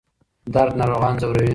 درد ناروغان ځوروي.